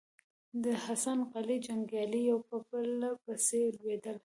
د حسن قلي جنګيالي يو په بل پسې لوېدل.